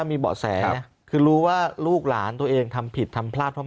มีเบาะแสนะคือรู้ว่าลูกหลานตัวเองทำผิดทำพลาดเพราะ